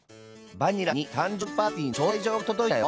バニランに誕生日パーティーの招待状が届いたよ